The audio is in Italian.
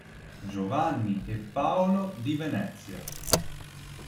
Giovanni e Paolo di Venezia.